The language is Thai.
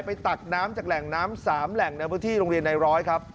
ไปตัดถึงแรงน้ำในพื้นที่โรงเรียนไนร้อย